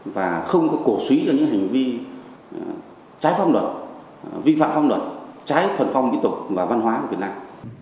và không có cổ suý cho những hành vi trái phong luật vi phạm phong luật trái thuần phong kỹ tục và văn hóa của việt nam